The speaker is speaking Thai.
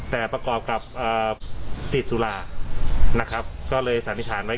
แต่ประกอบกับติดสุรานะครับก็เลยสันนิษฐานไว้